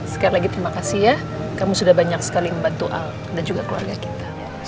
sekali lagi terima kasih ya kamu sudah banyak sekali membantu al dan juga keluarga kita